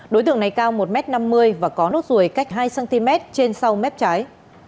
đối tượng này cao một m năm mươi và có nốt ruồi cách hai cm trên sau mép trái